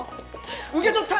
受け取った！